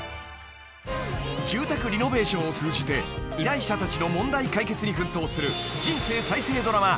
［住宅リノベーションを通じて依頼者たちの問題解決に奮闘する人生再生ドラマ